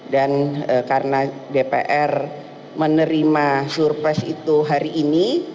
dan karena dpr menerima surprise itu hari ini